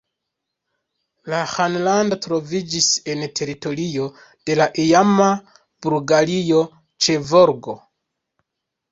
La ĥanlando troviĝis en teritorio de la iama Bulgario ĉe Volgo.